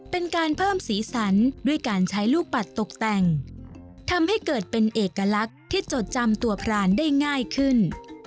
เป็นการเพิ่มสีสันด้วยการใช้ลูกปัดตกแต่งทำให้เกิดเป็นเอกลักษณ์ที่จดจำตัวพรานได้ง่ายขึ้น